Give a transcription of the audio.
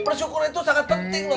eh bersyukur itu sangat penting loh